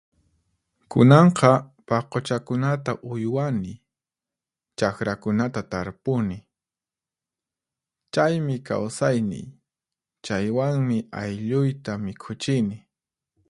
Kunanqa paquchakunata uywani, chaqrakunata tarpuni. Chaymi kawsayniy, chaywanmi aylluyta mikhuchini.